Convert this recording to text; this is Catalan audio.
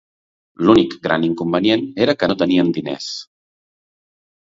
L'únic gran inconvenient era que no tenien diners.